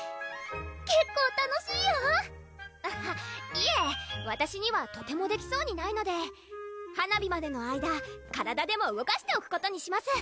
結構楽しいよアハッいえわたしにはとてもできそうにないので花火までの間体でも動かしておくことにします